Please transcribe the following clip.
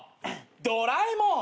ドラえもん。